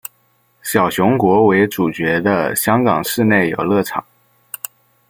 小熊国为主角的香港室内游乐场。